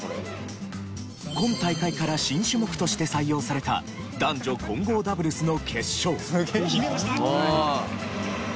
今大会から新種目として採用された男女混合ダブルスの決勝。